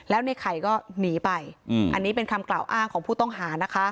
แล้วในไข่ก็หนีไปอันนี้เป็นคำกล่าวอ้างของผู้ต้องหานะคะ